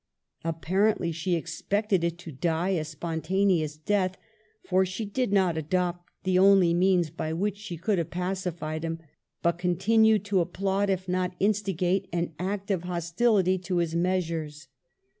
Apparently she expected it to die a spontaneous death, for she did not adopt the only means by which she could have pacified him, but continued to applaud, if not instigate, an active hostility to his meas ures.